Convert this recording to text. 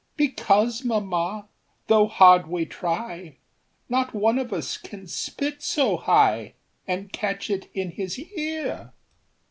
"Because, mamma, tho' hard we try, Not one of us can spit so high, And catch it in his ear."